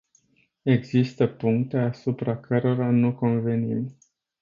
Există puncte asupra cărora nu convenim.